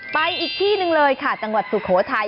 ไปอีกที่หนึ่งเลยค่ะจังหวัดสุโขทัย